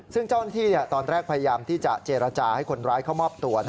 ซึ่งเจ้าหน้าที่ตอนแรกพยายามที่จะเจรจาให้คนร้ายเข้ามอบตัว